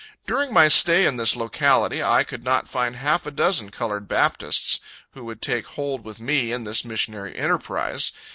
During my stay in this locality, I could not find half a dozen colored Baptists, who would take hold with me in this missionary enterprise.